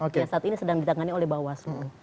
yang saat ini sedang ditangani oleh bapak baslu